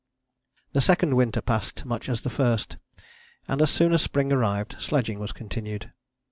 The second winter passed much as the first, and as soon as spring arrived sledging was continued.